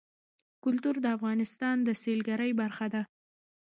کلتور د افغانستان د سیلګرۍ برخه ده.